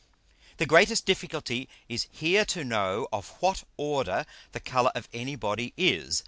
The greatest difficulty is here to know of what Order the Colour of any Body is.